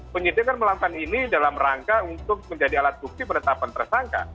penyidik kan melakukan ini dalam rangka untuk menjadi alat bukti penetapan tersangka